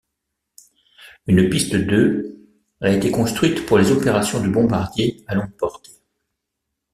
Une piste de a été construite pour les opérations de bombardiers à longue portée.